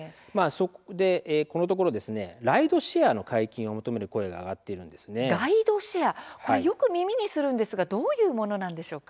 そこで、このところライドシェアの解禁を求める声がライドシェアよく耳にしますがどういったものなんでしょうか。